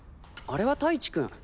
あれは太一君。